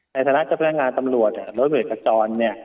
นายธนาคต์จัดพนักงานตำรวจเนี่ยรถเหมือนกระจอนเนี่ย